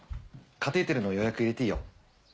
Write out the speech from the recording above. カテーテルの予約入れていいよ。